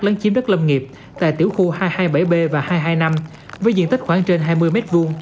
lấn chiếm đất lâm nghiệp tại tiểu khu hai trăm hai mươi bảy b và hai trăm hai mươi năm với diện tích khoảng trên hai mươi m hai